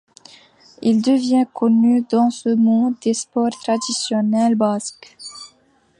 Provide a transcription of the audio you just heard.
Il devient connu dans ce monde des sports traditionnels basques.